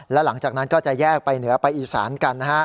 และหลังจากนั้นก็จะแยกไปเหนือไปอีสานกันนะฮะ